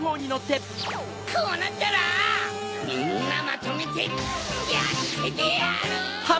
こうなったらみんなまとめてやっつけてやる！